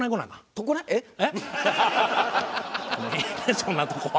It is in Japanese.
そんなとこは。